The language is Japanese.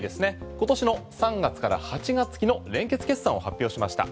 今年の３月から８月期の連結決算を発表しました。